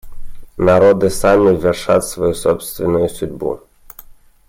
Народы сами вершат свою собственную судьбу.